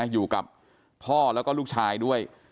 อยู่กับพ่อแล้วก็ลูกชายด้วย